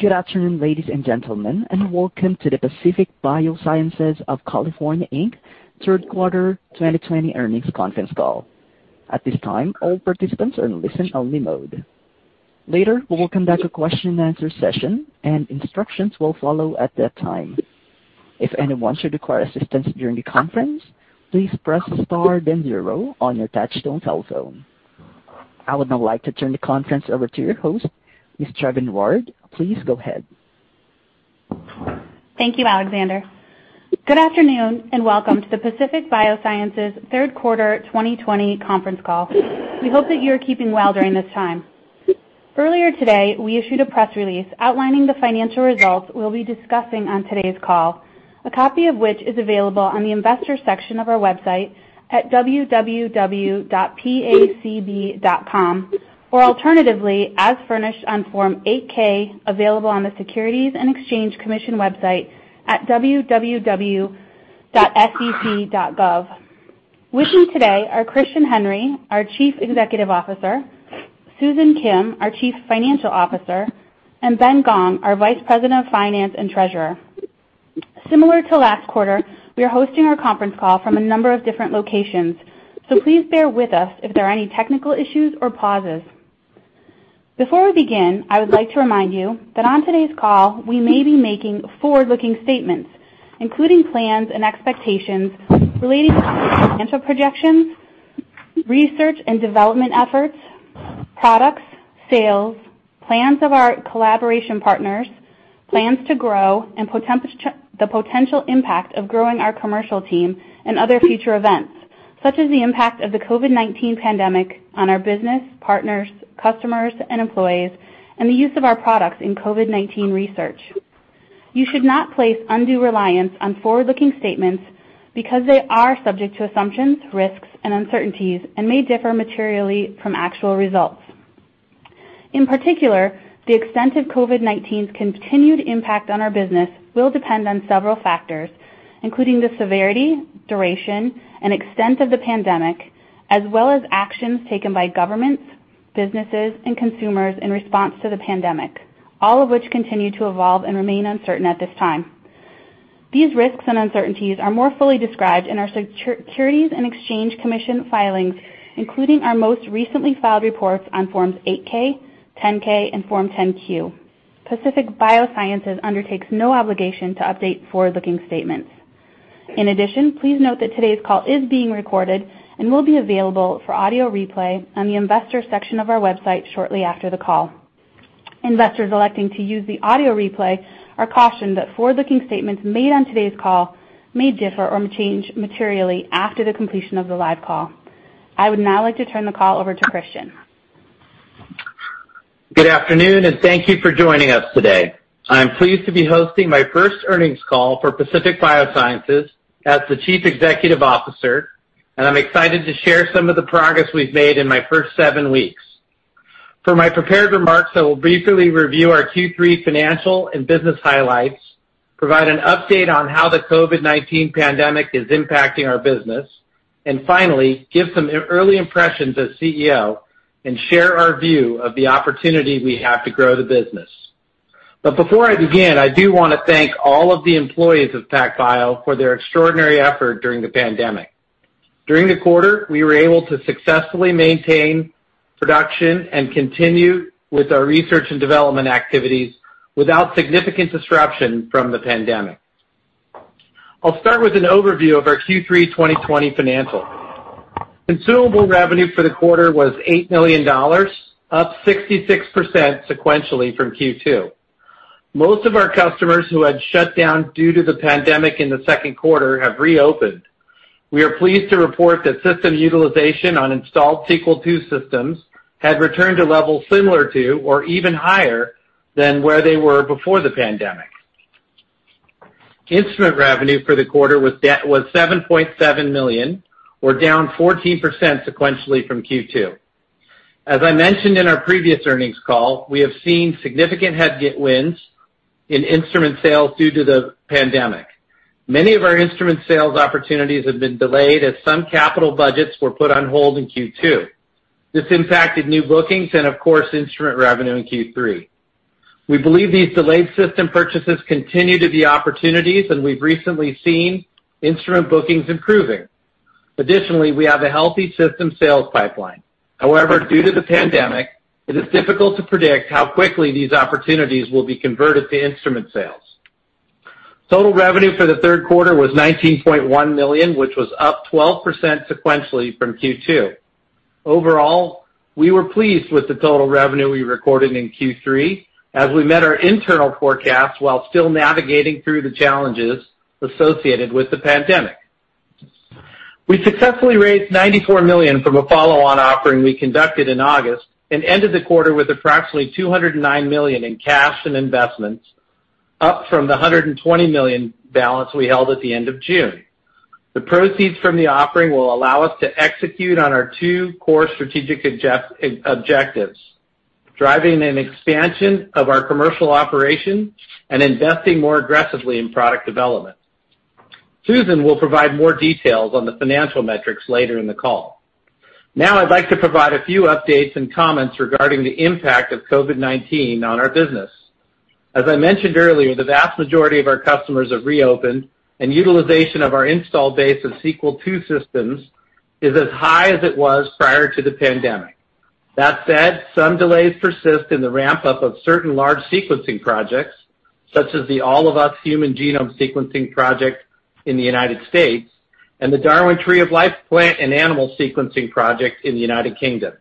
Good afternoon, ladies and gentlemen, and welcome to the Pacific Biosciences of California, Inc. third quarter 2020 earnings conference call. At this time, all participants are in listen-only mode. Later, we will conduct a question and answer session, and instructions will follow at that time. If anyone should require assistance during the conference, please press star then zero on your touchtone telephone. I would now like to turn the conference over to your host, Ms. Trevin Rard. Please go ahead. Thank you, Alexander. Good afternoon, welcome to the Pacific Biosciences third quarter 2020 conference call. We hope that you are keeping well during this time. Earlier today, we issued a press release outlining the financial results we'll be discussing on today's call, a copy of which is available on the investors section of our website at www.pacb.com, or alternatively, as furnished on Form 8-K, available on the Securities and Exchange Commission website at www.sec.gov. With me today are Christian Henry, our Chief Executive Officer, Susan Kim, our Chief Financial Officer, and Ben Gong, our Vice President of Finance and Treasurer. Similar to last quarter, we are hosting our conference call from a number of different locations, please bear with us if there are any technical issues or pauses. Before we begin, I would like to remind you that on today's call, we may be making forward-looking statements, including plans and expectations relating to financial projections, research and development efforts, products, sales, plans of our collaboration partners, plans to grow, and the potential impact of growing our commercial team, and other future events, such as the impact of the COVID-19 pandemic on our business, partners, customers, and employees, and the use of our products in COVID-19 research. You should not place undue reliance on forward-looking statements because they are subject to assumptions, risks, and uncertainties and may differ materially from actual results. In particular, the extent of COVID-19's continued impact on our business will depend on several factors, including the severity, duration, and extent of the pandemic, as well as actions taken by governments, businesses, and consumers in response to the pandemic, all of which continue to evolve and remain uncertain at this time. These risks and uncertainties are more fully described in our Securities and Exchange Commission filings, including our most recently filed reports on Forms 8-K, 10-K and Form 10-Q. Pacific Biosciences undertakes no obligation to update forward-looking statements. In addition, please note that today's call is being recorded and will be available for audio replay on the investors section of our website shortly after the call. Investors electing to use the audio replay are cautioned that forward-looking statements made on today's call may differ or change materially after the completion of the live call. I would now like to turn the call over to Christian. Good afternoon. Thank you for joining us today. I'm pleased to be hosting my first earnings call for Pacific Biosciences as the Chief Executive Officer, and I'm excited to share some of the progress we've made in my first seven weeks. For my prepared remarks, I will briefly review our Q3 financial and business highlights, provide an update on how the COVID-19 pandemic is impacting our business, and finally, give some early impressions as CEO and share our view of the opportunity we have to grow the business. Before I begin, I do want to thank all of the employees of PacBio for their extraordinary effort during the pandemic. During the quarter, we were able to successfully maintain production and continue with our research and development activities without significant disruption from the pandemic. I'll start with an overview of our Q3 2020 financials. Consumable revenue for the quarter was $8 million, up 66% sequentially from Q2. Most of our customers who had shut down due to the pandemic in the second quarter have reopened. We are pleased to report that system utilization on installed Sequel II systems had returned to levels similar to or even higher than where they were before the pandemic. Instrument revenue for the quarter was $7.7 million, or down 14% sequentially from Q2. As I mentioned in our previous earnings call, we have seen significant headwinds in instrument sales due to the pandemic. Many of our instrument sales opportunities have been delayed as some capital budgets were put on hold in Q2. This impacted new bookings and, of course, instrument revenue in Q3. We believe these delayed system purchases continue to be opportunities. We've recently seen instrument bookings improving. Additionally, we have a healthy system sales pipeline. However, due to the pandemic, it is difficult to predict how quickly these opportunities will be converted to instrument sales. Total revenue for the third quarter was $19.1 million, which was up 12% sequentially from Q2. Overall, we were pleased with the total revenue we recorded in Q3 as we met our internal forecast while still navigating through the challenges associated with the pandemic. We successfully raised $94 million from a follow-on offering we conducted in August and ended the quarter with approximately $209 million in cash and investments, up from the $120 million balance we held at the end of June. The proceeds from the offering will allow us to execute on our two core strategic objectives, driving an expansion of our commercial operations and investing more aggressively in product development. Susan will provide more details on the financial metrics later in the call. Now I'd like to provide a few updates and comments regarding the impact of COVID-19 on our business. As I mentioned earlier, the vast majority of our customers have reopened, and utilization of our installed base of Sequel II systems is as high as it was prior to the pandemic. That said, some delays persist in the ramp-up of certain large sequencing projects, such as the All of Us human genome sequencing project in the United States, and the Darwin Tree of Life plant and animal sequencing project in the United Kingdom.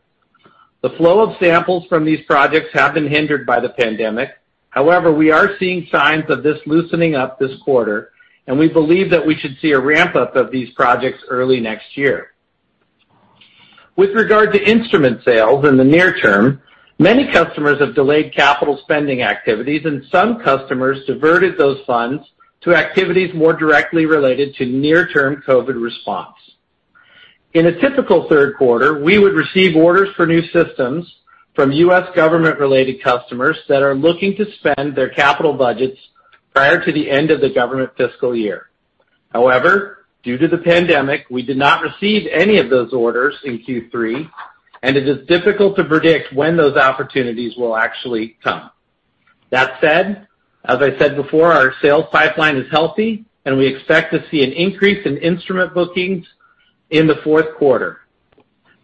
The flow of samples from these projects have been hindered by the pandemic. We are seeing signs of this loosening up this quarter, and we believe that we should see a ramp-up of these projects early next year. With regard to instrument sales in the near term, many customers have delayed capital spending activities, and some customers diverted those funds to activities more directly related to near-term COVID response. In a typical third quarter, we would receive orders for new systems from U.S. government-related customers that are looking to spend their capital budgets prior to the end of the government fiscal year. Due to the pandemic, we did not receive any of those orders in Q3, and it is difficult to predict when those opportunities will actually come. That said, as I said before, our sales pipeline is healthy, and we expect to see an increase in instrument bookings in the fourth quarter.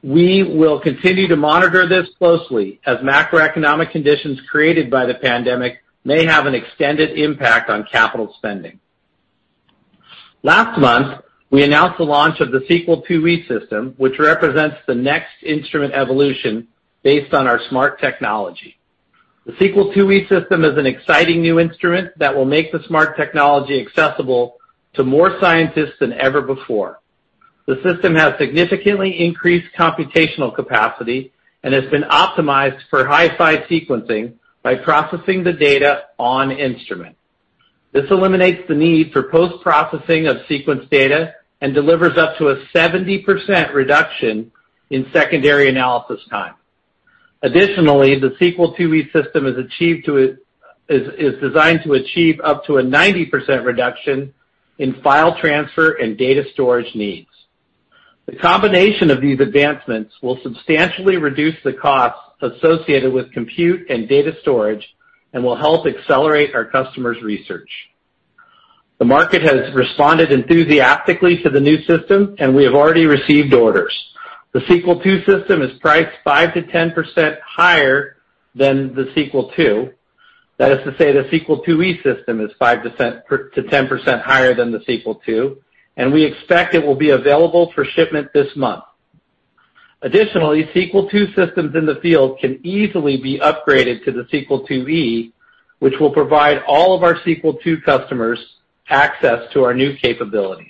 We will continue to monitor this closely, as macroeconomic conditions created by the pandemic may have an extended impact on capital spending. Last month, we announced the launch of the Sequel IIe system, which represents the next instrument evolution based on our SMRT technology. The Sequel IIe system is an exciting new instrument that will make the SMRT technology accessible to more scientists than ever before. The system has significantly increased computational capacity and has been optimized for HiFi sequencing by processing the data on instrument. This eliminates the need for post-processing of sequence data and delivers up to a 70% reduction in secondary analysis time. Additionally, the Sequel IIe system is designed to achieve up to a 90% reduction in file transfer and data storage needs. The combination of these advancements will substantially reduce the costs associated with compute and data storage and will help accelerate our customers' research. The market has responded enthusiastically to the new system, and we have already received orders. The Sequel II system is priced 5%-10% higher than the Sequel II. That is to say, the Sequel IIe system is 5%-10% higher than the Sequel II, and we expect it will be available for shipment this month. Additionally, Sequel II systems in the field can easily be upgraded to the Sequel IIe, which will provide all of our Sequel II customers access to our new capabilities.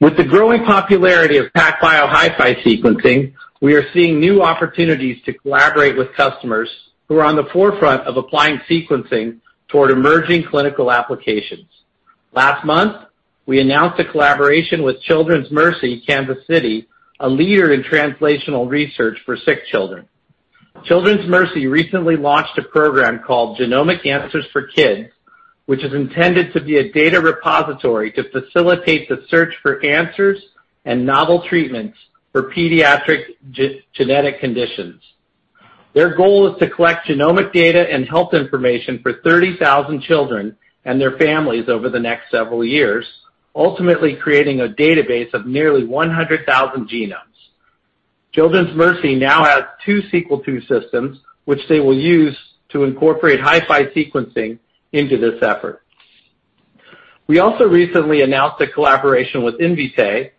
With the growing popularity of PacBio HiFi sequencing, we are seeing new opportunities to collaborate with customers who are on the forefront of applying sequencing toward emerging clinical applications. Last month, we announced a collaboration with Children's Mercy Kansas City, a leader in translational research for sick children. Children's Mercy recently launched a program called Genomic Answers for Kids, which is intended to be a data repository to facilitate the search for answers and novel treatments for pediatric genetic conditions. Their goal is to collect genomic data and health information for 30,000 children and their families over the next several years, ultimately creating a database of nearly 100,000 genomes. Children's Mercy now has two Sequel II systems, which they will use to incorporate HiFi sequencing into this effort. We also recently announced a collaboration with Invitae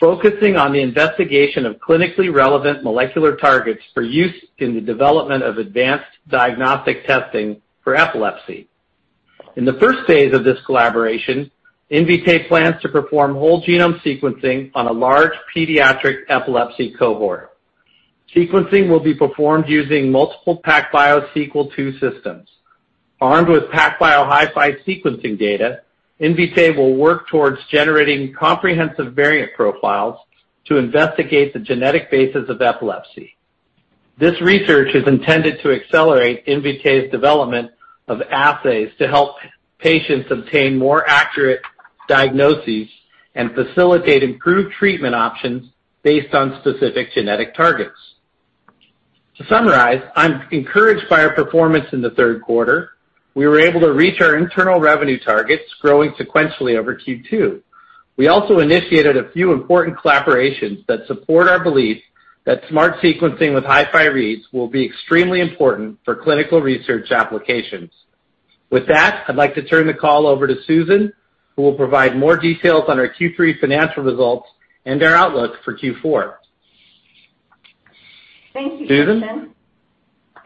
focusing on the investigation of clinically relevant molecular targets for use in the development of advanced diagnostic testing for epilepsy. In the first phase of this collaboration, Invitae plans to perform whole genome sequencing on a large pediatric epilepsy cohort. Sequencing will be performed using multiple PacBio Sequel II systems. Armed with PacBio HiFi sequencing data, Invitae will work towards generating comprehensive variant profiles to investigate the genetic basis of epilepsy. This research is intended to accelerate Invitae's development of assays to help patients obtain more accurate diagnoses and facilitate improved treatment options based on specific genetic targets. To summarize, I'm encouraged by our performance in the third quarter. We were able to reach our internal revenue targets, growing sequentially over Q2. We also initiated a few important collaborations that support our belief that SMRT sequencing with HiFi reads will be extremely important for clinical research applications. With that, I'd like to turn the call over to Susan, who will provide more details on our Q3 financial results and our outlook for Q4. Susan? Thank you, Christian,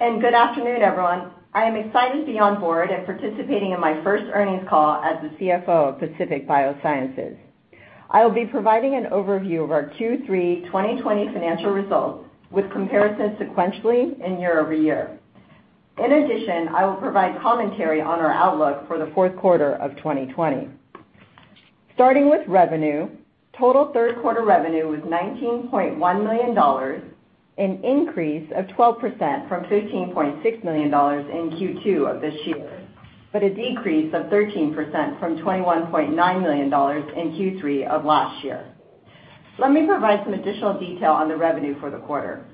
and good afternoon, everyone. I am excited to be on board and participating in my first earnings call as the CFO of Pacific Biosciences. I will be providing an overview of our Q3 2020 financial results with comparisons sequentially and year-over-year. In addition, I will provide commentary on our outlook for the fourth quarter of 2020. Starting with revenue, total third quarter revenue was $19.1 million, an increase of 12% from $15.6 million in Q2 of this year, but a decrease of 13% from $21.9 million in Q3 of last year. Let me provide some additional detail on the revenue for the quarter.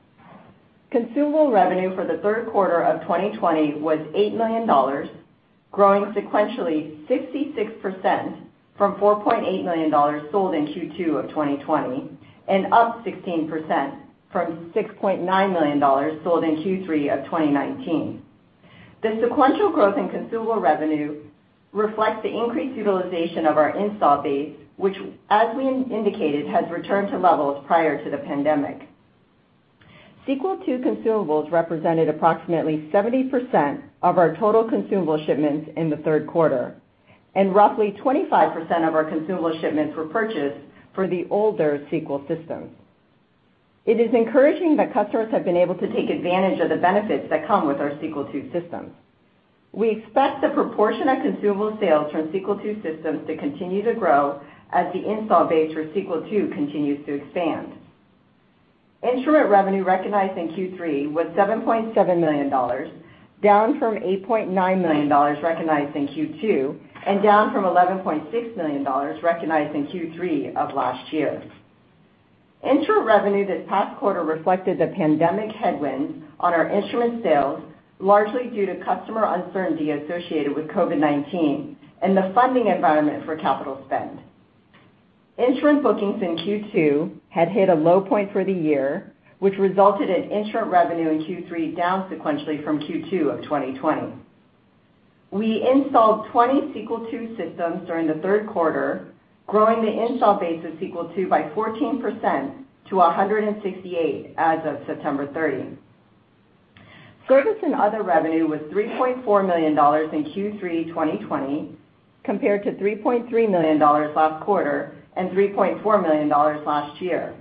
Consumable revenue for the third quarter of 2020 was $8 million, growing sequentially 66% from $4.8 million sold in Q2 of 2020, and up 16% from $6.9 million sold in Q3 of 2019. The sequential growth in consumable revenue reflects the increased utilization of our install base, which as we indicated, has returned to levels prior to the pandemic. Sequel II consumables represented approximately 70% of our total consumable shipments in the third quarter, and roughly 25% of our consumable shipments were purchased for the older Sequel systems. It is encouraging that customers have been able to take advantage of the benefits that come with our Sequel II system. We expect the proportion of consumable sales from Sequel II systems to continue to grow as the install base for Sequel II continues to expand. Instrument revenue recognized in Q3 was $7.7 million, down from $8.9 million recognized in Q2, and down from $11.6 million recognized in Q3 of last year. Instrument revenue this past quarter reflected the pandemic headwind on our instrument sales, largely due to customer uncertainty associated with COVID-19 and the funding environment for capital spend. Instrument bookings in Q2 had hit a low point for the year, which resulted in instrument revenue in Q3 down sequentially from Q2 of 2020. We installed 20 Sequel II systems during the third quarter, growing the install base of Sequel II by 14% to 168 as of September 30, 2020. Service and other revenue was $3.4 million in Q3 2020 compared to $3.3 million last quarter and $3.4 million last year.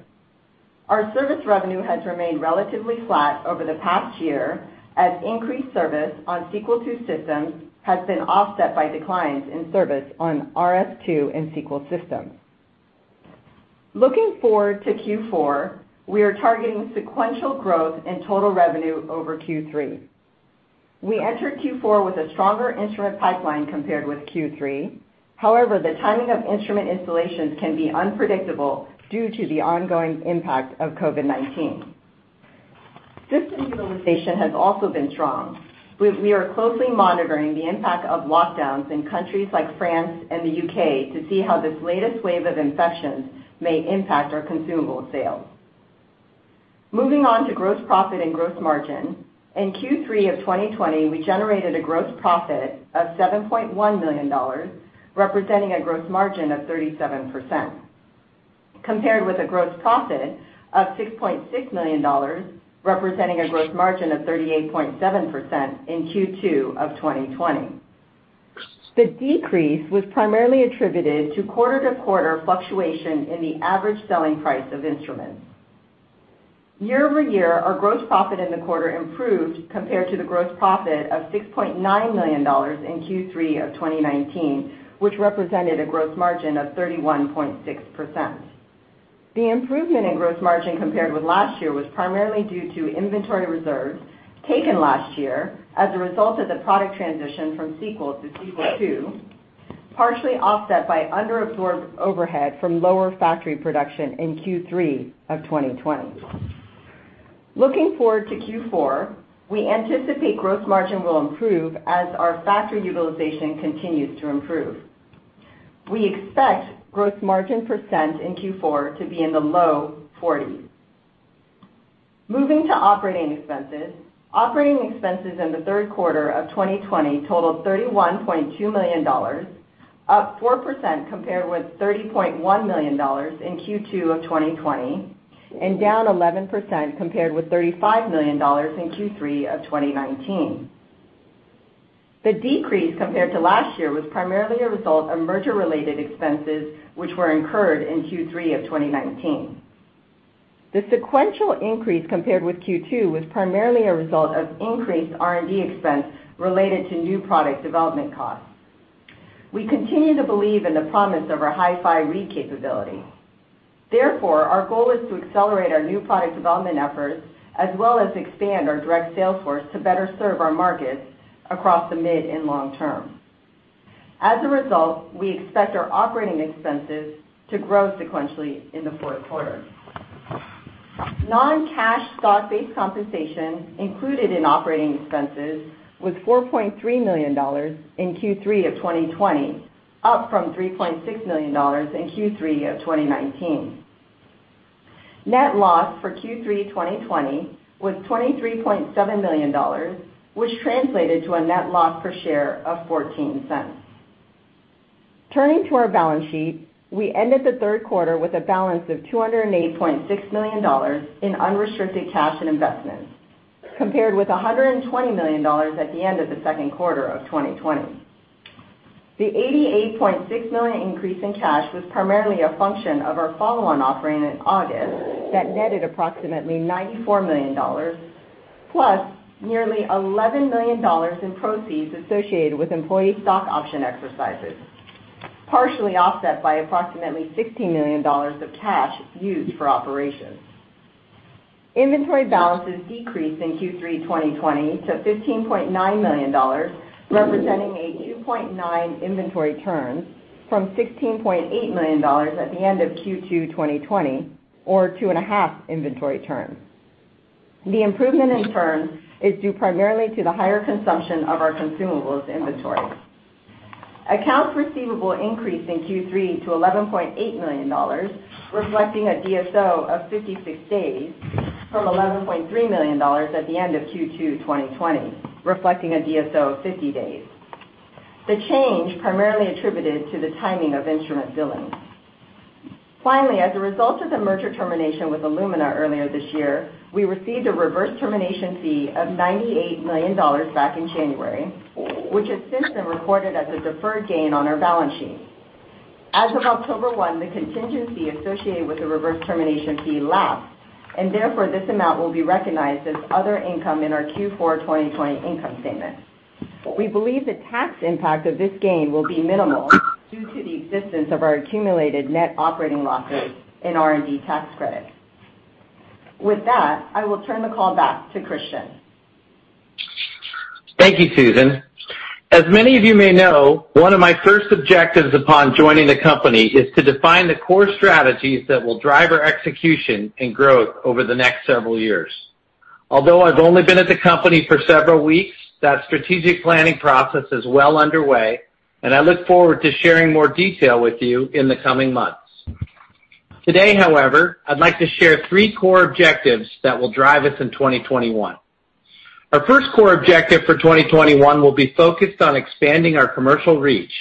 Our service revenue has remained relatively flat over the past year as increased service on Sequel II systems has been offset by declines in service on RS II and Sequel systems. Looking forward to Q4, we are targeting sequential growth in total revenue over Q3. We entered Q4 with a stronger instrument pipeline compared with Q3. However, the timing of instrument installations can be unpredictable due to the ongoing impact of COVID-19. System utilization has also been strong. We are closely monitoring the impact of lockdowns in countries like France and the U.K. to see how this latest wave of infections may impact our consumable sales. Moving on to gross profit and gross margin, in Q3 of 2020, we generated a gross profit of $7.1 million, representing a gross margin of 37%, compared with a gross profit of $6.6 million, representing a gross margin of 38.7% in Q2 of 2020. The decrease was primarily attributed to quarter-to-quarter fluctuation in the average selling price of instruments. Year-over-year, our gross profit in the quarter improved compared to the gross profit of $6.9 million in Q3 of 2019, which represented a gross margin of 31.6%. The improvement in gross margin compared with last year was primarily due to inventory reserves taken last year as a result of the product transition from Sequel to Sequel II, partially offset by under-absorbed overhead from lower factory production in Q3 2020. Looking forward to Q4, we anticipate gross margin will improve as our factory utilization continues to improve. We expect gross margin % in Q4 to be in the low 40s. Moving to operating expenses. Operating expenses in the third quarter 2020 totaled $31.2 million, up 4% compared with $30.1 million in Q2 2020, down 11% compared with $35 million in Q3 2019. The decrease compared to last year was primarily a result of merger-related expenses, which were incurred in Q3 2019. The sequential increase compared with Q2 was primarily a result of increased R&D expense related to new product development costs. We continue to believe in the promise of our HiFi read capability. Therefore, our goal is to accelerate our new product development efforts, as well as expand our direct sales force to better serve our markets across the mid and long term. As a result, we expect our operating expenses to grow sequentially in the fourth quarter. Non-cash stock-based compensation included in operating expenses was $4.3 million in Q3 of 2020, up from $3.6 million in Q3 of 2019. Net loss for Q3 2020 was $23.7 million, which translated to a net loss per share of $0.14. Turning to our balance sheet, we ended the third quarter with a balance of $208.6 million in unrestricted cash and investments, compared with $120 million at the end of the second quarter of 2020. The $88.6 million increase in cash was primarily a function of our follow-on offering in August that netted approximately $94 million, plus nearly $11 million in proceeds associated with employee stock option exercises, partially offset by approximately $16 million of cash used for operations. Inventory balances decreased in Q3 2020 to $15.9 million, representing a 2.9 inventory turn from $16.8 million at the end of Q2 2020, or 2.5 inventory turn. The improvement in turns is due primarily to the higher consumption of our consumables inventory. Accounts receivable increased in Q3 to $11.8 million, reflecting a DSO of 56 days from $11.3 million at the end of Q2 2020, reflecting a DSO of 50 days. The change was primarily attributed to the timing of instrument billing. Finally, as a result of the merger termination with Illumina earlier this year, we received a reverse termination fee of $98 million back in January, which has since been recorded as a deferred gain on our balance sheet. As of October 1, 2020, the contingency associated with the reverse termination fee lapsed, and therefore, this amount will be recognized as other income in our Q4 2020 income statement. We believe the tax impact of this gain will be minimal due to the existence of our accumulated net operating losses in R&D tax credit. With that, I will turn the call back to Christian. Thank you, Susan. As many of you may know, one of my first objectives upon joining the company is to define the core strategies that will drive our execution and growth over the next several years. Although I've only been at the company for several weeks, that strategic planning process is well underway, and I look forward to sharing more detail with you in the coming months. Today, however, I'd like to share three core objectives that will drive us in 2021. Our first core objective for 2021 will be focused on expanding our commercial reach.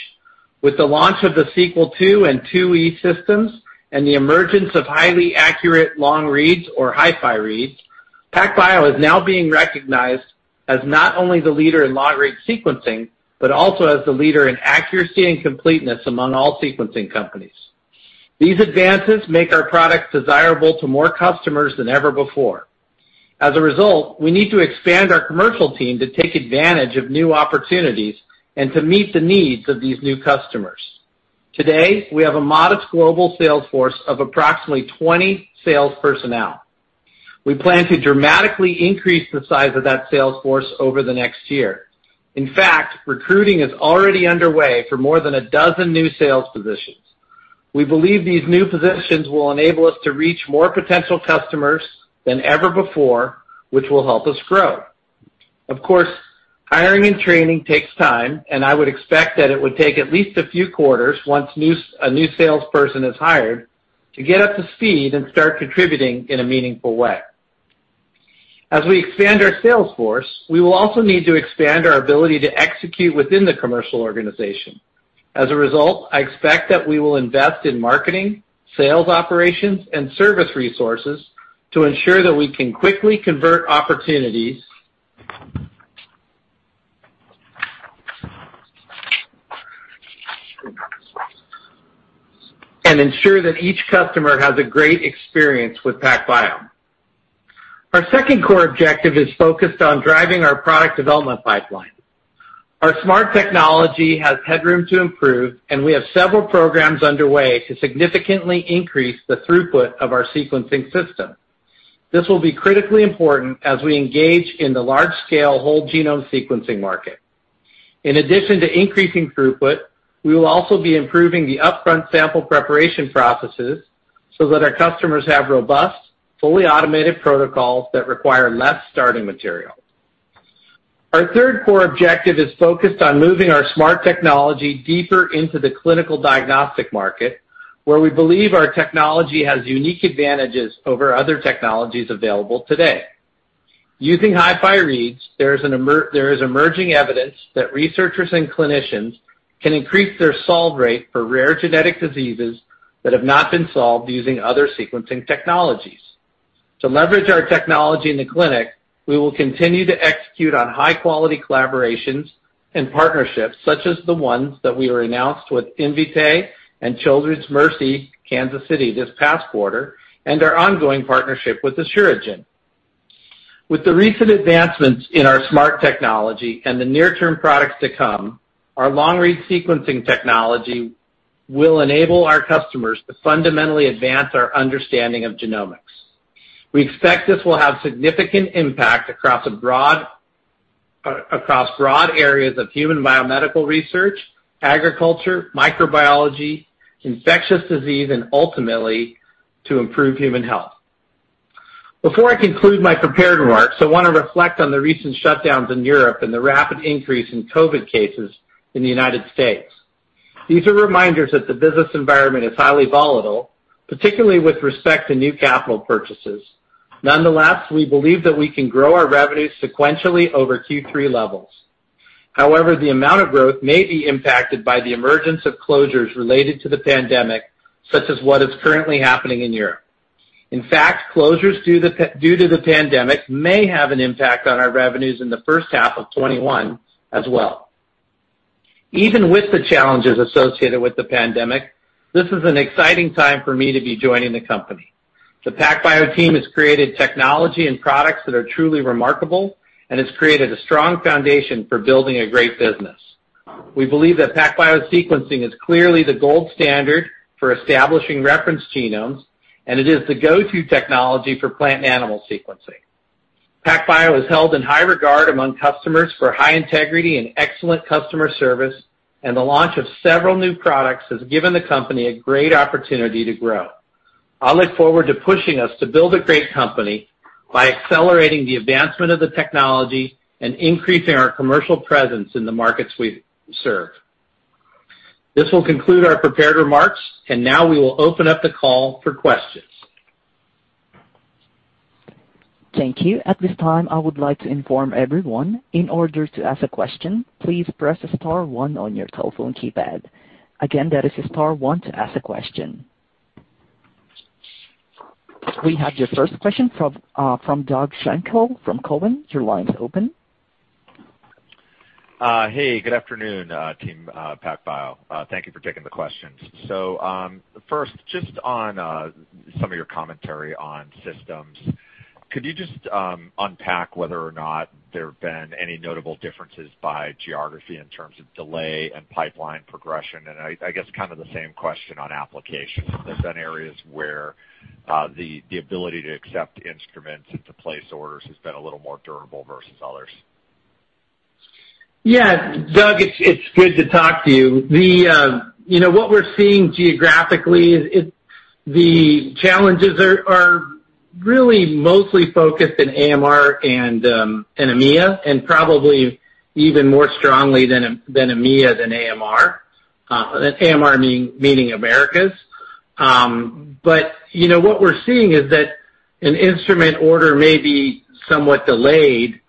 With the launch of the Sequel II and IIe systems and the emergence of highly accurate long reads, or HiFi reads, PacBio is now being recognized as not only the leader in long read sequencing, but also as the leader in accuracy and completeness among all sequencing companies. These advances make our products desirable to more customers than ever before. We need to expand our commercial team to take advantage of new opportunities and to meet the needs of these new customers. Today, we have a modest global sales force of approximately 20 sales personnel. We plan to dramatically increase the size of that sales force over the next year. Recruiting is already underway for more than a dozen new sales positions. We believe these new positions will enable us to reach more potential customers than ever before, which will help us grow. Hiring and training takes time, and I would expect that it would take at least a few quarters once a new salesperson is hired to get up to speed and start contributing in a meaningful way. As we expand our sales force, we will also need to expand our ability to execute within the commercial organization. As a result, I expect that we will invest in marketing, sales operations, and service resources to ensure that we can quickly convert opportunities and ensure that each customer has a great experience with PacBio. Our second core objective is focused on driving our product development pipeline. Our SMRT technology has headroom to improve, and we have several programs underway to significantly increase the throughput of our sequencing system. This will be critically important as we engage in the large-scale whole genome sequencing market. In addition to increasing throughput, we will also be improving the upfront sample preparation processes so that our customers have robust, fully automated protocols that require less starting material. Our third core objective is focused on moving our SMRT technology deeper into the clinical diagnostic market, where we believe our technology has unique advantages over other technologies available today. Using HiFi reads, there is emerging evidence that researchers and clinicians can increase their solve rate for rare genetic diseases that have not been solved using other sequencing technologies. To leverage our technology in the clinic, we will continue to execute on high quality collaborations and partnerships, such as the ones that we announced with Invitae and Children's Mercy Kansas City this past quarter, and our ongoing partnership with the Asuragen. With the recent advancements in our SMRT technology and the near-term products to come, our long read sequencing technology will enable our customers to fundamentally advance our understanding of genomics. We expect this will have significant impact across broad areas of human biomedical research, agriculture, microbiology, infectious disease, and ultimately to improve human health. Before I conclude my prepared remarks, I want to reflect on the recent shutdowns in Europe and the rapid increase in COVID-19 cases in the U.S. These are reminders that the business environment is highly volatile, particularly with respect to new capital purchases. Nonetheless, we believe that we can grow our revenues sequentially over Q3 levels. However, the amount of growth may be impacted by the emergence of closures related to the pandemic, such as what is currently happening in Europe. In fact, closures due to the pandemic may have an impact on our revenues in the first half of 2021 as well. Even with the challenges associated with the pandemic, this is an exciting time for me to be joining the company. The PacBio team has created technology and products that are truly remarkable and has created a strong foundation for building a great business. We believe that PacBio sequencing is clearly the gold standard for establishing reference genomes, and it is the go-to technology for plant and animal sequencing. PacBio is held in high regard among customers for high integrity and excellent customer service, and the launch of several new products has given the company a great opportunity to grow. I look forward to pushing us to build a great company by accelerating the advancement of the technology and increasing our commercial presence in the markets we serve. This will conclude our prepared remarks, and now we will open up the call for questions. Thank you. At this time, I would like to inform everyone in order to ask a question, please press star one on your telephone keypad. Again, that is star one to ask a question. We have your first question from Doug Schenkel from Cowen. Your line is open. Hey, good afternoon team PacBio. Thank you for taking the questions. First, just on some of your commentary on systems, could you just unpack whether or not there have been any notable differences by geography in terms of delay and pipeline progression? I guess kind of the same question on applications. Have there been areas where the ability to accept instruments and to place orders has been a little more durable versus others? Yeah. Doug, it's good to talk to you. What we're seeing geographically, the challenges are really mostly focused in AMR and EMEA, and probably even more strongly than EMEA than AMR meaning Americas. What we're seeing is that an instrument order may be somewhat delayed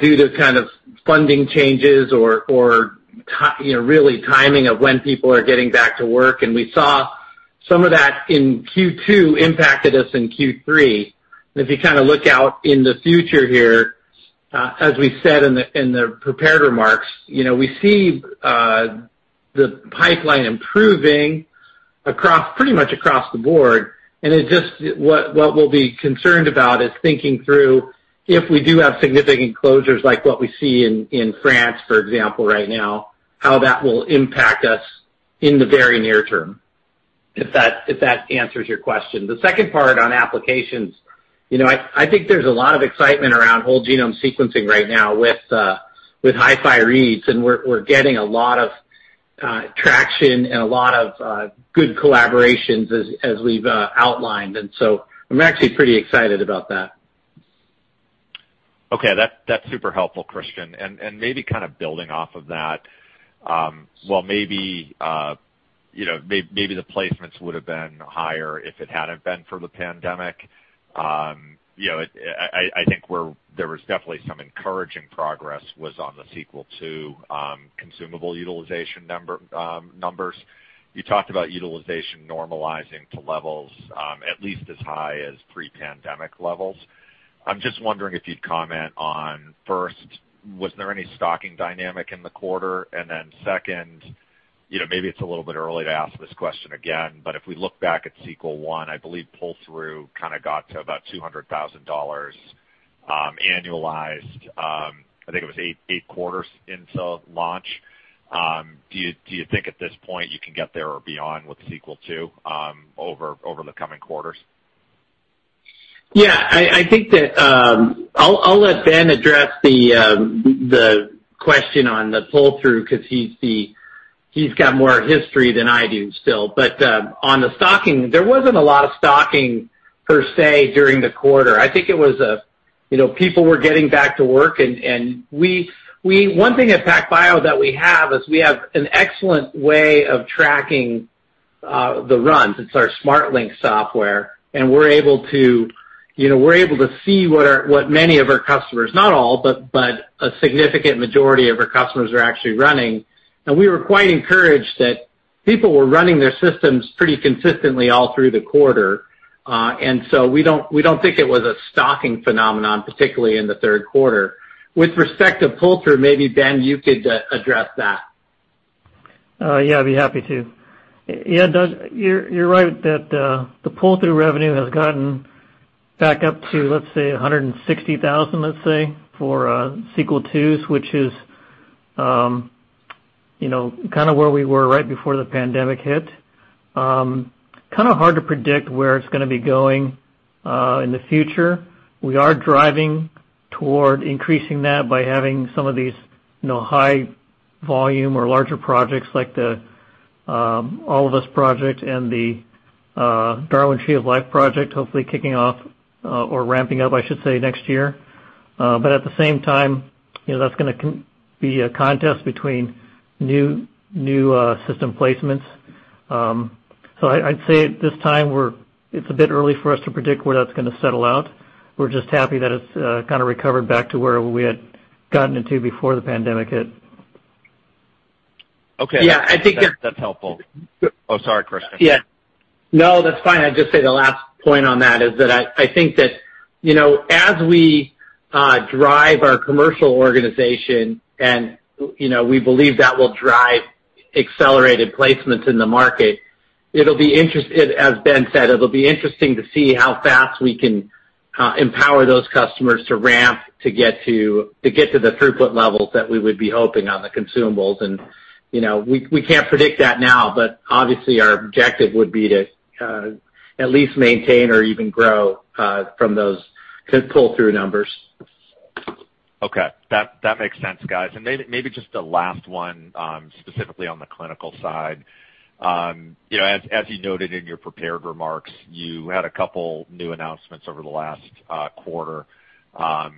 due to kind of funding changes or really timing of when people are getting back to work, and we saw some of that in Q2 impacted us in Q3. If you kind of look out in the future here, as we said in the prepared remarks, we see the pipeline improving pretty much across the board, what we'll be concerned about is thinking through if we do have significant closures like what we see in France, for example, right now, how that will impact us in the very near term, if that answers your question. The second part on applications, I think there's a lot of excitement around whole genome sequencing right now with HiFi reads, and we're getting a lot of traction and a lot of good collaborations as we've outlined. I'm actually pretty excited about that. Okay. That's super helpful, Christian, maybe kind of building off of that, while maybe the placements would have been higher if it hadn't been for the pandemic, I think there was definitely some encouraging progress was on the Sequel II consumable utilization numbers. You talked about utilization normalizing to levels at least as high as pre-pandemic levels. I'm just wondering if you'd comment on, first, was there any stocking dynamic in the quarter? Then second, maybe it's a little bit early to ask this question again, but if we look back at Sequel I, I believe pull-through kind of got to about $200,000 annualized. I think it was eight quarters into launch. Do you think at this point you can get there or beyond with Sequel II over the coming quarters? Yeah, I'll let Ben address the question on the pull-through because he's got more history than I do still. On the stocking, there wasn't a lot of stocking per se during the quarter. I think it was people were getting back to work, and one thing at PacBio that we have is we have an excellent way of tracking the runs. It's our SMRT Link software, and we're able to see what many of our customers, not all, but a significant majority of our customers are actually running. We were quite encouraged that people were running their systems pretty consistently all through the quarter. We don't think it was a stocking phenomenon, particularly in the third quarter. With respect to pull-through, maybe Ben, you could address that. I'd be happy to. Doug, you're right that the pull-through revenue has gotten back up to, let's say, $160,000, let's say, for Sequel IIs, which is kind of where we were right before the pandemic hit. Kind of hard to predict where it's going to be going in the future. We are driving toward increasing that by having some of these high volume or larger projects like the All of Us project and the Darwin Tree of Life project, hopefully kicking off, or ramping up, I should say, next year. At the same time, that's going to be a contest between new system placements. I'd say at this time it's a bit early for us to predict where that's going to settle out. We're just happy that it's kind of recovered back to where we had gotten into before the pandemic hit. Okay. Yeah, I think. That's helpful. Oh, sorry, Christian. Yeah. No, that's fine. I'd just say the last point on that is that I think that as we drive our commercial organization, we believe that will drive accelerated placements in the market, as Ben said, it'll be interesting to see how fast we can empower those customers to ramp to get to the throughput levels that we would be hoping on the consumables. We can't predict that now, obviously, our objective would be to at least maintain or even grow from those pull-through numbers. Okay. That makes sense, guys. Maybe just a last one, specifically on the clinical side. As you noted in your prepared remarks, you had a couple new announcements over the last quarter, and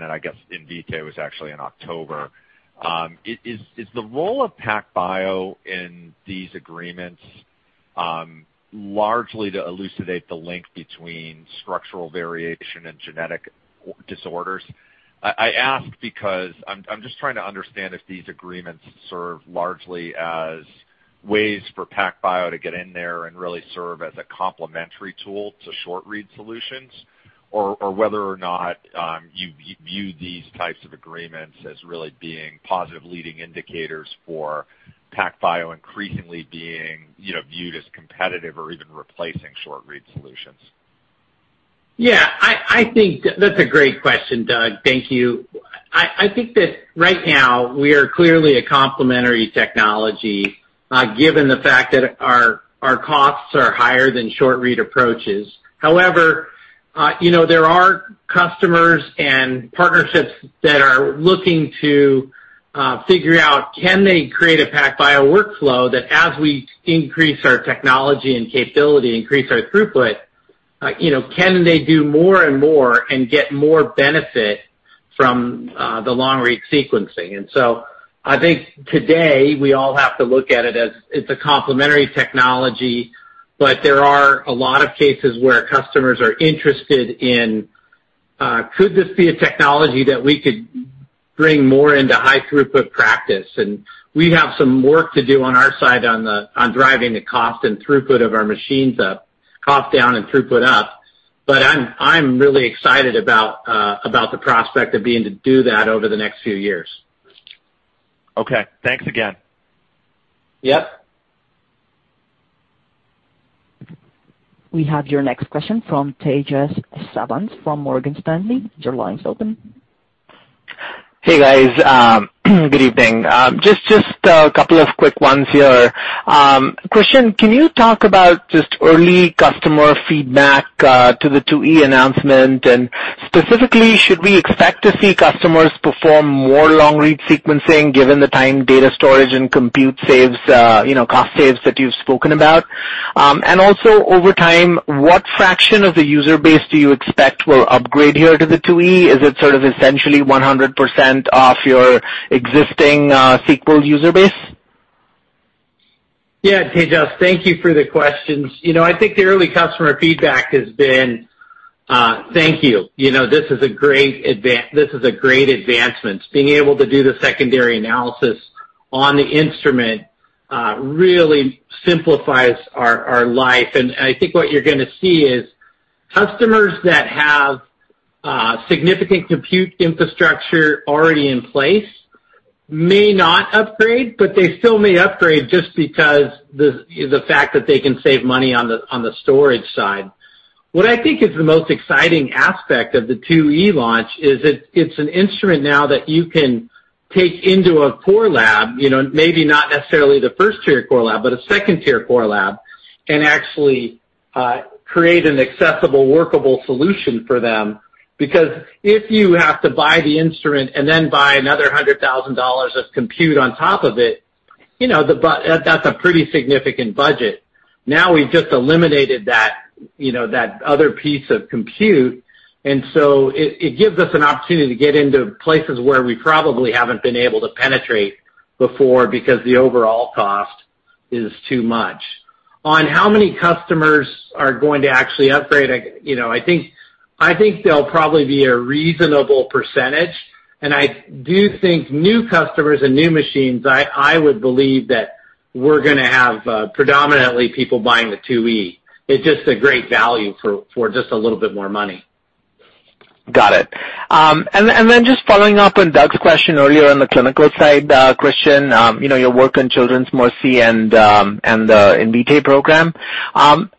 then I guess Invitae was actually in October. Is the role of PacBio in these agreements largely to elucidate the link between structural variation and genetic disorders? I ask because I'm just trying to understand if these agreements serve largely as ways for PacBio to get in there and really serve as a complementary tool to short-read solutions, or whether or not you view these types of agreements as really being positive leading indicators for PacBio increasingly being viewed as competitive or even replacing short-read solutions. Yeah. That's a great question, Doug. Thank you. I think that right now, we are clearly a complementary technology, given the fact that our costs are higher than short-read approaches. However, there are customers and partnerships that are looking to figure out, can they create a PacBio workflow that as we increase our technology and capability, increase our throughput, can they do more and more and get more benefit from the long-read sequencing? I think today, we all have to look at it as it's a complementary technology, but there are a lot of cases where customers are interested in, could this be a technology that we could bring more into high throughput practice? We have some work to do on our side on driving the cost and throughput of our machines up, cost down, and throughput up. I'm really excited about the prospect of being to do that over the next few years. Okay. Thanks again. Yep. We have your next question from Tejas Savant, from Morgan Stanley. Your line's open. Hey, guys. Good evening. Just a couple of quick ones here. Christian, can you talk about just early customer feedback to the IIe announcement? Specifically, should we expect to see customers perform more long-read sequencing given the time, data storage, and compute cost saves that you've spoken about? Also, over time, what fraction of the user base do you expect will upgrade here to the IIe? Is it sort of essentially 100% of your existing Sequel user base? Yeah, Tejas, thank you for the questions. I think the early customer feedback has been thank you. This is a great advancement. Being able to do the secondary analysis on the instrument really simplifies our life. I think what you're going to see is customers that have significant compute infrastructure already in place may not upgrade, but they still may upgrade just because of the fact that they can save money on the storage side. What I think is the most exciting aspect of the IIe launch is it's an instrument now that you can take into a core lab, maybe not necessarily the first-tier core lab, but a second-tier core lab, and actually create an accessible, workable solution for them. If you have to buy the instrument and then buy another $100,000 of compute on top of it, that's a pretty significant budget. We've just eliminated that other piece of compute. It gives us an opportunity to get into places where we probably haven't been able to penetrate before because the overall cost is too much. On how many customers are going to actually upgrade, I think there'll probably be a reasonable percentage. I do think new customers and new machines, I would believe that we're going to have predominantly people buying the IIe. It's just a great value for just a little bit more money. Got it. Just following up on Doug's question earlier on the clinical side, Christian, your work on Children's Mercy and the Invitae program.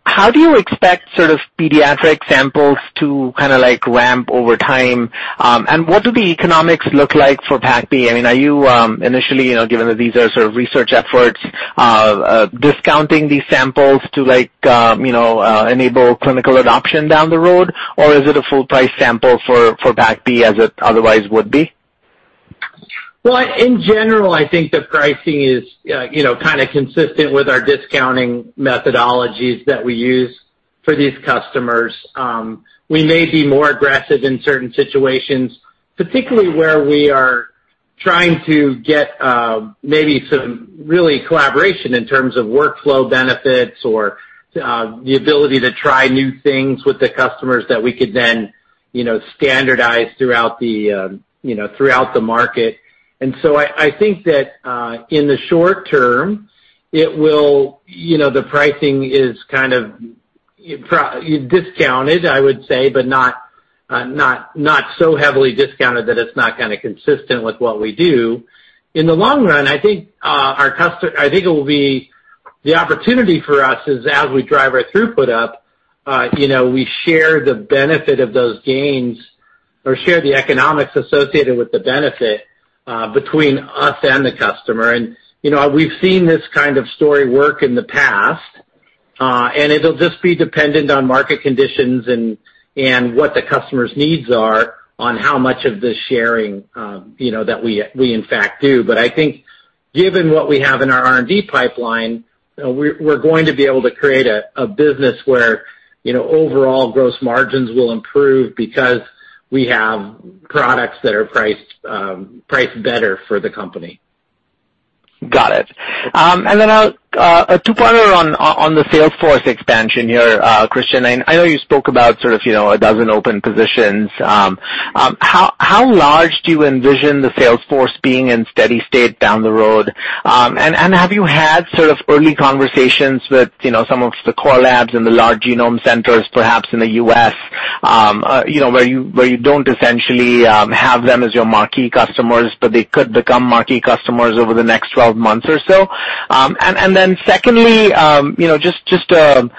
How do you expect sort of pediatric samples to kind of like ramp over time? What do the economics look like for PacBio? Are you initially, given that these are sort of research efforts, discounting these samples to enable clinical adoption down the road, or is it a full price sample for PacBio as it otherwise would be? Well, in general, I think the pricing is kind of consistent with our discounting methodologies that we use for these customers. We may be more aggressive in certain situations, particularly where we are trying to get maybe some really collaboration in terms of workflow benefits or the ability to try new things with the customers that we could then standardize throughout the market. I think that in the short term, the pricing is kind of discounted, I would say, but not so heavily discounted that it's not consistent with what we do. In the long run, I think it will be the opportunity for us is as we drive our throughput up, we share the benefit of those gains or share the economics associated with the benefit between us and the customer. We've seen this kind of story work in the past. It'll just be dependent on market conditions and what the customer's needs are on how much of the sharing that we in fact do. I think given what we have in our R&D pipeline, we're going to be able to create a business where overall gross margins will improve because we have products that are priced better for the company. Got it. A two-parter on the sales force expansion here, Christian. I know you spoke about sort of a dozen open positions. How large do you envision the sales force being in steady state down the road? Have you had sort of early conversations with some of the core labs and the large genome centers, perhaps in the U.S., where you don't essentially have them as your marquee customers, but they could become marquee customers over the next 12 months or so? Secondly, just a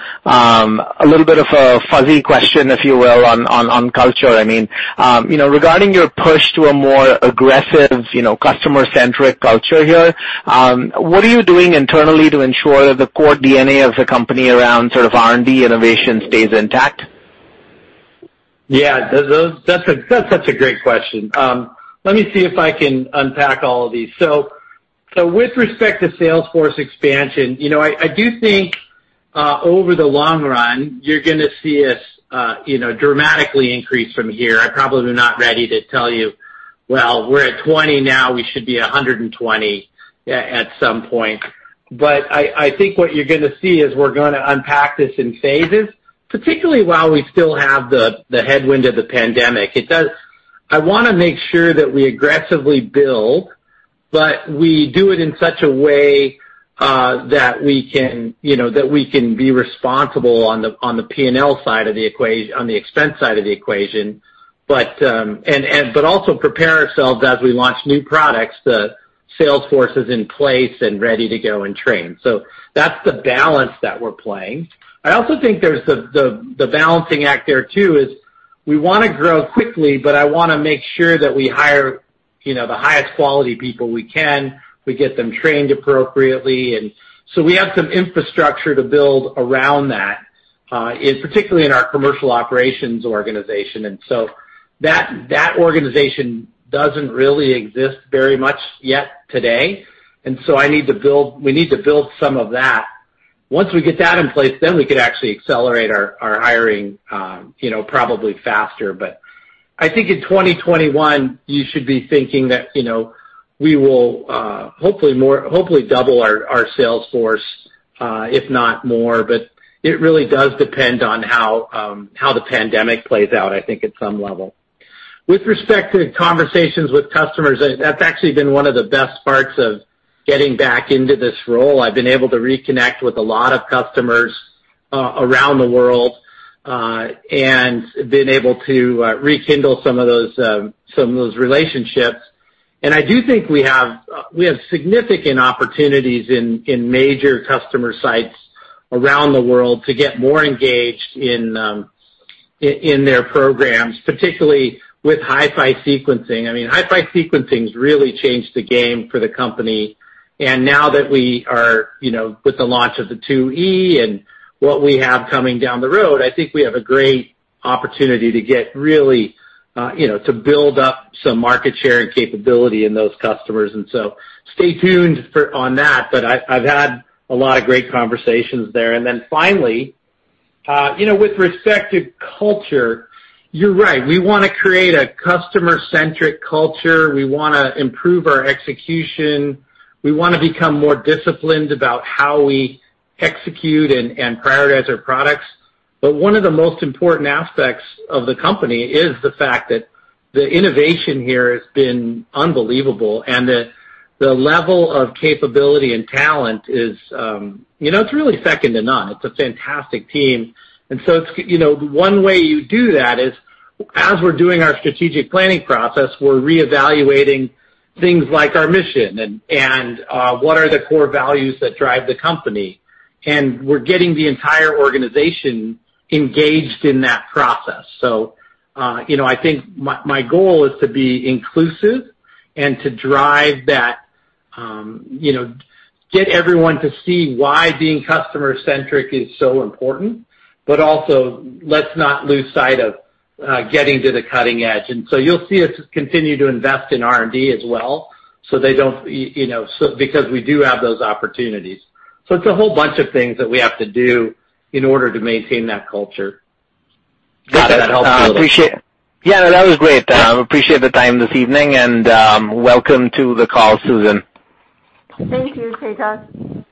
little bit of a fuzzy question, if you will, on culture. Regarding your push to a more aggressive customer-centric culture here, what are you doing internally to ensure that the core DNA of the company around sort of R&D innovation stays intact? Yeah. That's such a great question. Let me see if I can unpack all of these. With respect to sales force expansion, I do think over the long run, you're going to see us dramatically increase from here. I probably am not ready to tell you, well, we're at 2020 now. We should be 120 at some point. I think what you're going to see is we're going to unpack this in phases, particularly while we still have the headwind of the pandemic. I want to make sure that we aggressively build, but we do it in such a way that we can be responsible on the P&L side of the equation, on the expense side of the equation. Also prepare ourselves as we launch new products, the sales force is in place and ready to go and train. That's the balance that we're playing. I also think there's the balancing act there, too, is we want to grow quickly, but I want to make sure that we hire the highest quality people we can. We get them trained appropriately. We have some infrastructure to build around that, particularly in our commercial operations organization. That organization doesn't really exist very much yet today. We need to build some of that. Once we get that in place, we could actually accelerate our hiring probably faster. I think in 2021, you should be thinking that we will hopefully double our sales force if not more, but it really does depend on how the pandemic plays out, I think at some level. With respect to conversations with customers, that's actually been one of the best parts of getting back into this role. I've been able to reconnect with a lot of customers around the world, and been able to rekindle some of those relationships. I do think we have significant opportunities in major customer sites around the world to get more engaged in their programs, particularly with HiFi sequencing. HiFi sequencing's really changed the game for the company, and now with the launch of the IIe and what we have coming down the road, I think we have a great opportunity to build up some market share and capability in those customers, stay tuned on that. I've had a lot of great conversations there. Finally, with respect to culture, you're right. We want to create a customer-centric culture. We want to improve our execution. We want to become more disciplined about how we execute and prioritize our products. One of the most important aspects of the company is the fact that the innovation here has been unbelievable, and that the level of capability and talent is really second to none. It's a fantastic team. One way you do that is as we're doing our strategic planning process, we're reevaluating things like our mission and what are the core values that drive the company. We're getting the entire organization engaged in that process. I think my goal is to be inclusive and to drive that, get everyone to see why being customer-centric is so important, but also let's not lose sight of getting to the cutting edge. You'll see us continue to invest in R&D as well, because we do have those opportunities. It's a whole bunch of things that we have to do in order to maintain that culture. Got it. Yeah, that was great. Appreciate the time this evening, and welcome to the call, Susan. Thank you, Tejas.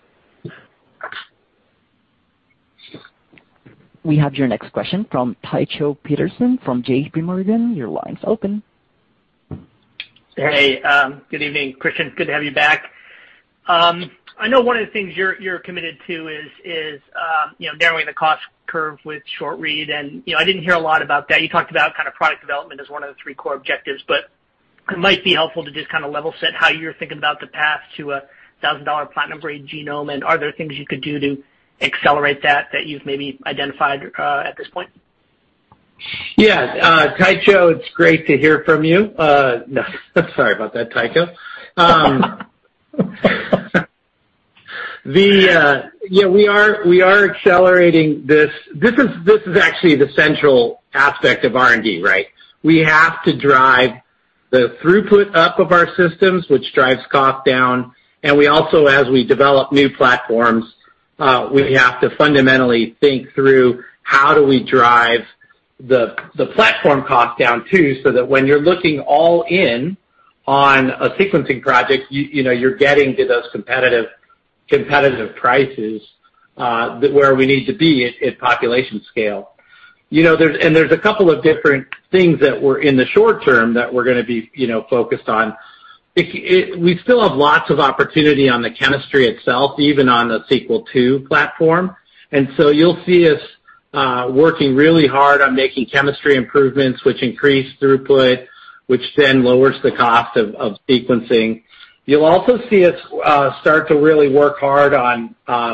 We have your next question from Tycho Peterson from JPMorgan. Your line's open. Hey, good evening, Christian. Good to have you back. I know one of the things you're committed to is narrowing the cost curve with short-read, and I didn't hear a lot about that. You talked about product development as one of the three core objectives, but it might be helpful to just level-set how you're thinking about the path to a $1,000 platinum grade genome, and are there things you could do to accelerate that you've maybe identified at this point? Yeah. Tycho, it's great to hear from you. Sorry about that, Tycho. Yeah, we are accelerating this. This is actually the central aspect of R&D, right? We have to drive the throughput up of our systems, which drives cost down. We also, as we develop new platforms, we have to fundamentally think through how do we drive the platform cost down, too, so that when you're looking all in on a sequencing project, you're getting to those competitive prices, where we need to be at population scale. There's a couple of different things that were in the short term that we're going to be focused on. We still have lots of opportunity on the chemistry itself, even on the Sequel II platform. You'll see us working really hard on making chemistry improvements, which increase throughput, which then lowers the cost of sequencing. You'll also see us start to really work hard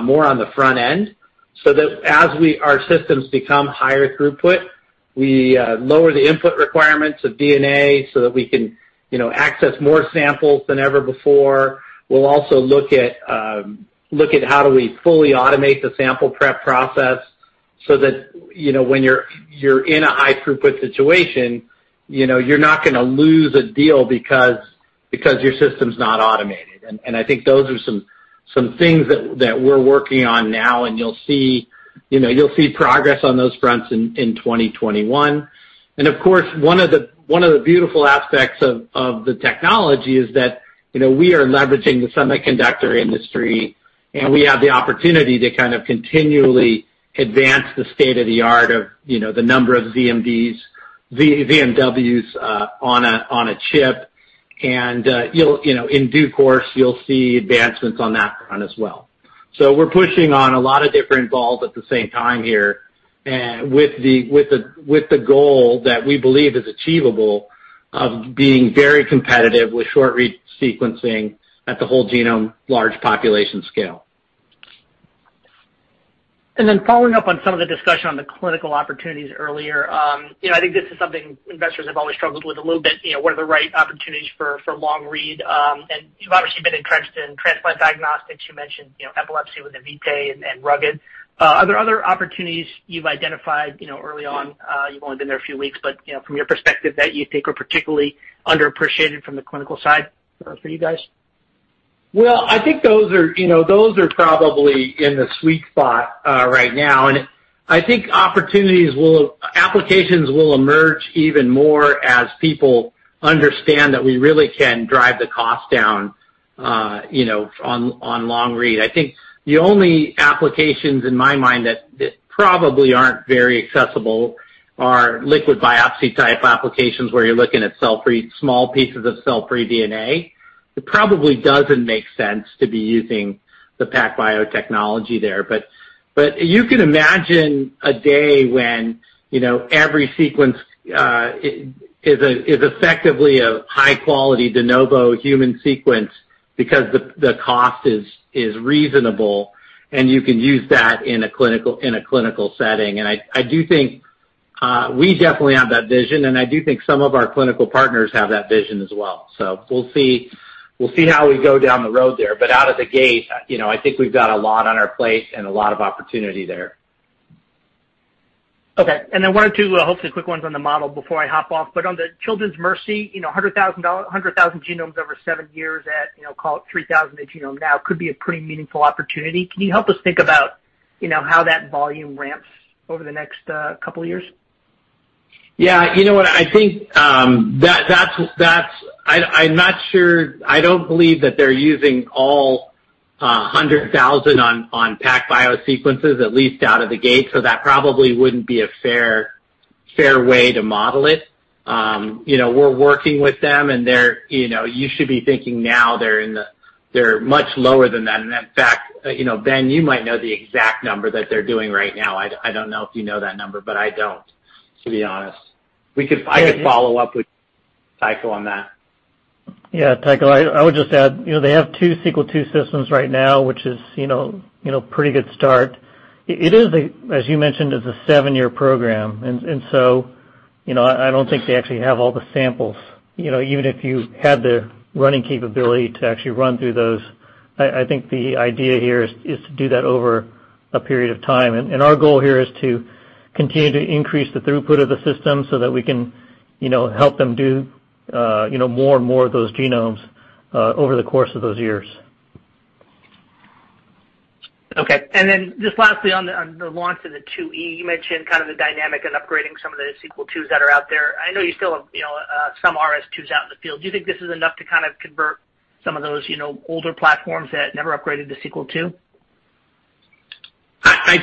more on the front end, so that as our systems become higher throughput, we lower the input requirements of DNA so that we can access more samples than ever before. We'll also look at how do we fully automate the sample prep process so that, when you're in a high throughput situation, you're not going to lose a deal because your system's not automated. I think those are some things that we're working on now, and you'll see progress on those fronts in 2021. Of course, one of the beautiful aspects of the technology is that we are leveraging the semiconductor industry, and we have the opportunity to kind of continually advance the state of the art of the number of ZMWs on a chip. In due course, you'll see advancements on that front as well. We're pushing on a lot of different balls at the same time here, with the goal that we believe is achievable of being very competitive with short-read sequencing at the whole genome, large population scale. Then following up on some of the discussion on the clinical opportunities earlier. I think this is something investors have always struggled with a little bit, what are the right opportunities for long-read? You've obviously been entrenched in transplant diagnostics. You mentioned epilepsy with Invitae and Rugged. Are there other opportunities you've identified early on, you've only been there a few weeks, but from your perspective, that you think are particularly underappreciated from the clinical side for you guys? I think those are probably in the sweet spot right now, and I think applications will emerge even more as people understand that we really can drive the cost down on long-read. I think the only applications in my mind that probably aren't very accessible are liquid biopsy type applications where you're looking at small pieces of cell-free DNA. It probably doesn't make sense to be using the PacBio technology there, but you can imagine a day when every sequence is effectively a high-quality de novo human sequence because the cost is reasonable, and you can use that in a clinical setting. I do think we definitely have that vision, and I do think some of our clinical partners have that vision as well. We'll see how we go down the road there, but out of the gate, I think we've got a lot on our plate and a lot of opportunity there. Okay. One or two hopefully quick ones on the model before I hop off, but on the Children's Mercy, 100,000 genomes over seven years at, call it $3,000 a genome now, could be a pretty meaningful opportunity. Can you help us think about how that volume ramps over the next couple of years? Yeah. You know what? I'm not sure. I don't believe that they're using all 100,000 on PacBio sequences, at least out of the gate, so that probably wouldn't be a fair way to model it. We're working with them. You should be thinking now they're much lower than that. In fact, Ben, you might know the exact number that they're doing right now. I don't know if you know that number. I don't, to be honest. We could probably follow up with Tycho on that. Tycho, I would just add, they have two Sequel II systems right now, which is a pretty good start. It is, as you mentioned, is a seven-year program. I don't think they actually have all the samples, even if you had the running capability to actually run through those. I think the idea here is to do that over a period of time. Our goal here is to continue to increase the throughput of the system so that we can help them do more and more of those genomes over the course of those years. Okay. Just lastly on the launch of the IIe, you mentioned kind of the dynamic and upgrading some of the Sequel IIs that are out there. I know you still have some RS IIs out in the field. Do you think this is enough to kind of convert some of those older platforms that never upgraded to Sequel II? I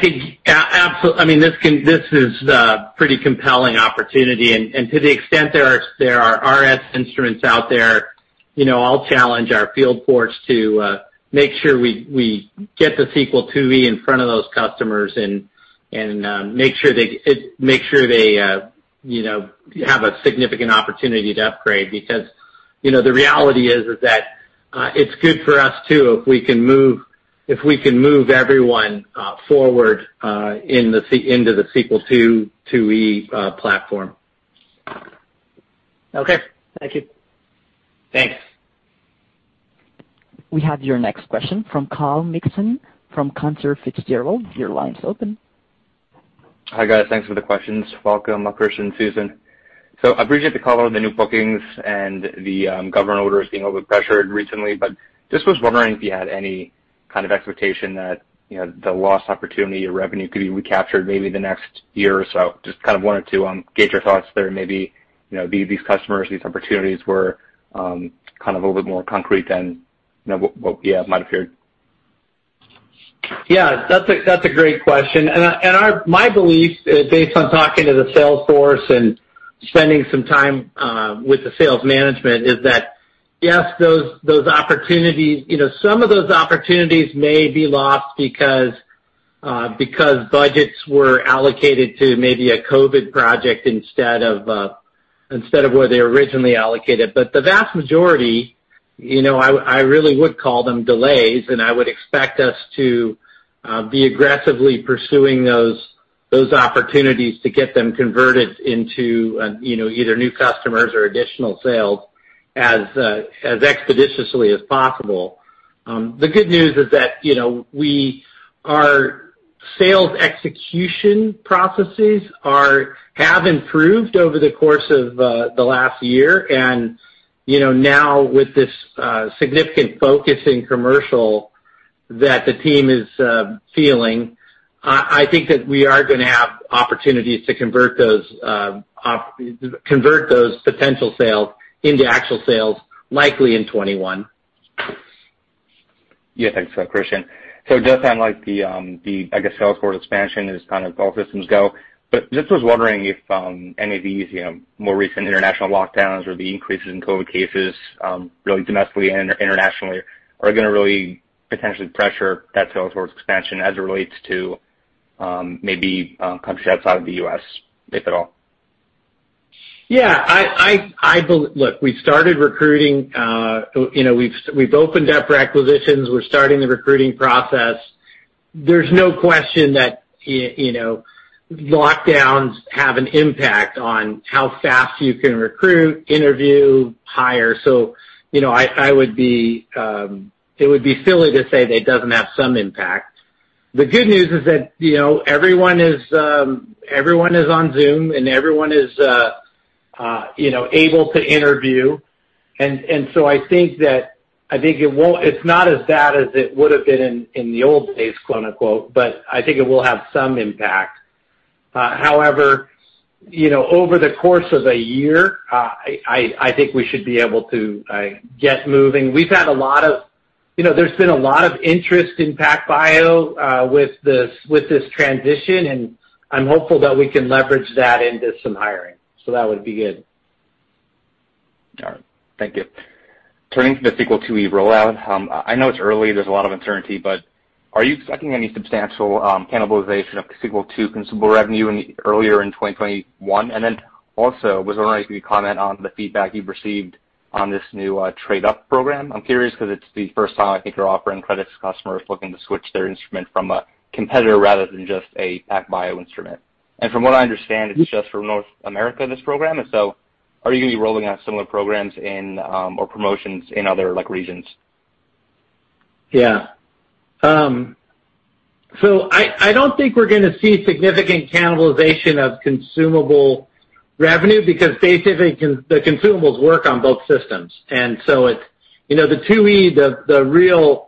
think this is a pretty compelling opportunity. To the extent there are RS instruments out there, I'll challenge our field force to make sure we get the Sequel IIe in front of those customers and make sure they have a significant opportunity to upgrade. The reality is that it's good for us, too, if we can move everyone forward into the Sequel II, IIe platform. Okay. Thank you. Thanks. We have your next question from Kyle Mikson from Cantor Fitzgerald. Your line's open. Hi, guys. Thanks for the questions. Welcome, Christian, Susan. Appreciate the call on the new bookings and the government orders being a little bit pressured recently, but just was wondering if you had any kind of expectation that the lost opportunity or revenue could be recaptured maybe the next year or so. Just kind of wanted to gauge your thoughts there, maybe these customers, these opportunities were kind of a little bit more concrete than what we might have heard. Yeah. That's a great question. My belief, based on talking to the sales force and spending some time with the sales management, is that, yes, some of those opportunities may be lost because budgets were allocated to maybe a COVID project instead of where they originally allocated. The vast majority, I really would call them delays, and I would expect us to be aggressively pursuing those opportunities to get them converted into either new customers or additional sales as expeditiously as possible. The good news is that our sales execution processes have improved over the course of the last year. Now with this significant focus in commercial that the team is feeling, I think that we are going to have opportunities to convert those potential sales into actual sales, likely in 2021. Thanks, Christian. It does sound like the, I guess, sales force expansion is kind of all systems go. Just was wondering if any of these more recent international lockdowns or the increases in COVID cases, really domestically and internationally, are going to really potentially pressure that sales force expansion as it relates to maybe countries outside of the U.S., if at all. Yeah. Look, we've opened up requisitions. We're starting the recruiting process. There's no question that lockdowns have an impact on how fast you can recruit, interview, hire. It would be silly to say that it doesn't have some impact. The good news is that everyone is on Zoom and everyone is able to interview. I think it's not as bad as it would've been in the old days, quote, unquote, but I think it will have some impact. However, over the course of a year, I think we should be able to get moving. There's been a lot of interest in PacBio with this transition, and I'm hopeful that we can leverage that into some hiring. That would be good. All right. Thank you. Turning to the Sequel IIe rollout, I know it's early, there's a lot of uncertainty, but are you expecting any substantial cannibalization of Sequel II consumable revenue earlier in 2021? I was wondering if you could comment on the feedback you've received on this new trade-up program. I'm curious because it's the first time, I think, you're offering credits to customers looking to switch their instrument from a competitor rather than just a PacBio instrument. From what I understand, it's just for North America, this program. Are you going to be rolling out similar programs or promotions in other regions? Yeah. I don't think we're going to see significant cannibalization of consumable revenue because basically, the consumables work on both systems. The IIe, the real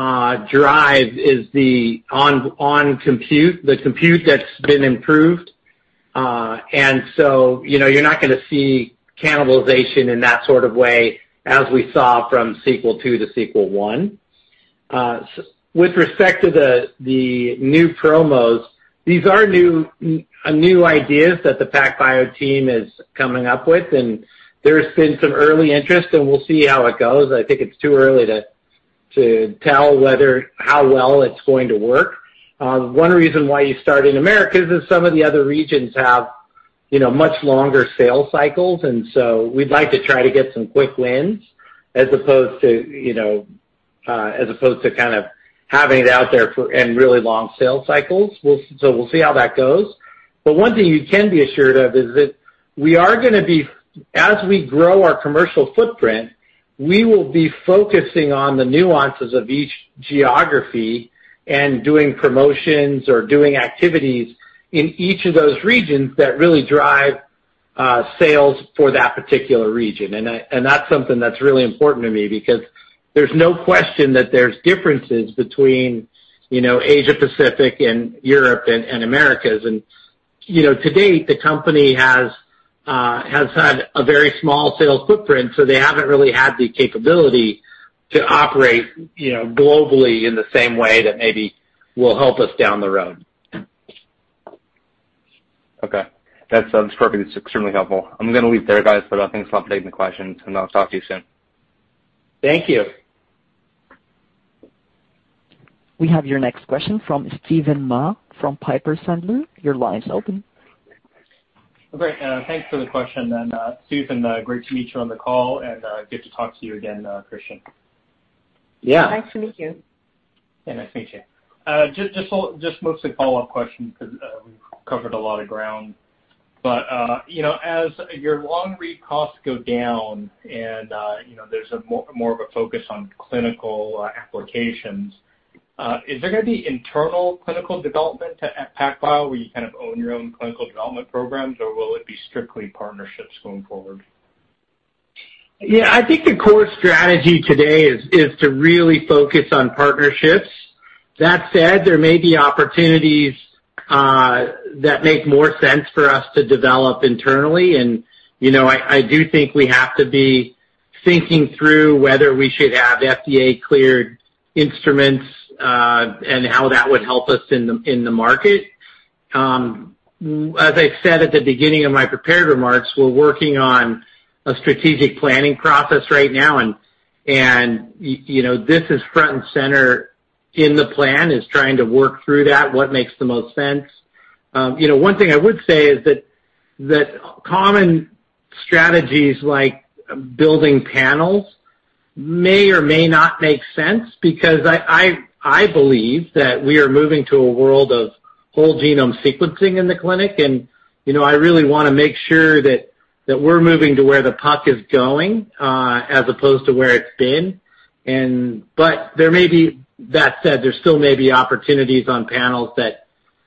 drive is on the compute that's been improved. You're not going to see cannibalization in that sort of way as we saw from Sequel II to Sequel I. With respect to the new promos, these are new ideas that the PacBio team is coming up with, and there's been some early interest, and we'll see how it goes. I think it's too early to tell how well it's going to work. One reason why you start in America is that some of the other regions have much longer sales cycles, and so we'd like to try to get some quick wins as opposed to kind of having it out there for really long sales cycles. We'll see how that goes. One thing you can be assured of is that as we grow our commercial footprint, we will be focusing on the nuances of each geography and doing promotions or doing activities in each of those regions that really drive sales for that particular region. That's something that's really important to me because there's no question that there's differences between Asia Pacific and Europe and Americas. To date, the company has had a very small sales footprint, so they haven't really had the capability to operate globally in the same way that maybe will help us down the road. Okay. That's perfect. It's extremely helpful. I'm going to leave it there, guys, but I think I'll stop taking the questions, and I'll talk to you soon. Thank you. We have your next question from Steven Mah from Piper Sandler. Your line is open. Great. Thanks for the question. Susan, great to meet you on the call, and good to talk to you again, Christian. Yeah. Nice to meet you. Yeah, nice to meet you. Just mostly follow-up questions because we've covered a lot of ground. As your long-read costs go down and there's more of a focus on clinical applications, is there going to be internal clinical development at PacBio where you kind of own your own clinical development programs, or will it be strictly partnerships going forward? Yeah, I think the core strategy today is to really focus on partnerships. That said, there may be opportunities that make more sense for us to develop internally, and I do think we have to be thinking through whether we should have FDA-cleared instruments and how that would help us in the market. As I said at the beginning of my prepared remarks, we're working on a strategic planning process right now, and this is front and center in the plan, is trying to work through that, what makes the most sense. One thing I would say is that common strategies like building panels may or may not make sense because I believe that we are moving to a world of whole genome sequencing in the clinic, and I really want to make sure that we're moving to where the puck is going, as opposed to where it's been. That said, there still may be opportunities on panels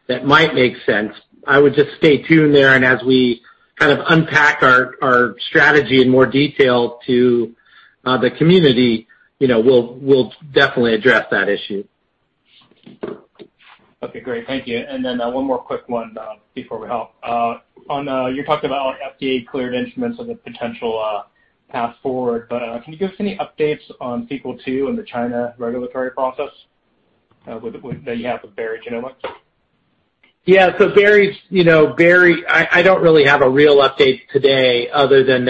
that might make sense. I would just stay tuned there, and as we kind of unpack our strategy in more detail to the community, we'll definitely address that issue. Okay, great. Thank you. Then one more quick one before we hop. You talked about FDA-cleared instruments as a potential path forward, but can you give us any updates on Sequel II and the China regulatory process that you have with Berry Genomics? Yeah. I don't really have a real update today other than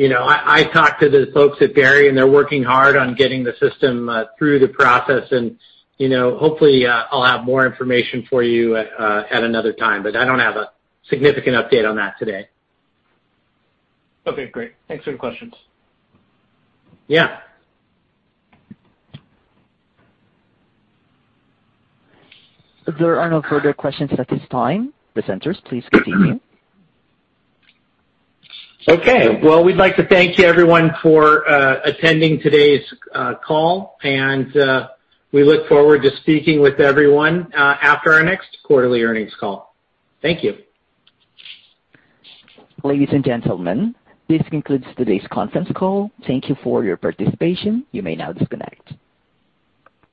I talked to the folks at Berry Genomics, and they're working hard on getting the system through the process. Hopefully, I'll have more information for you at another time, but I don't have a significant update on that today. Okay, great. Thanks for the questions. Yeah. There are no further questions at this time. Presenters, please continue. Okay. Well, we'd like to thank everyone for attending today's call, and we look forward to speaking with everyone after our next quarterly earnings call. Thank you. Ladies and gentlemen, this concludes today's conference call. Thank you for your participation. You may now disconnect.